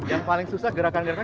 yang paling susah gerakan gerakan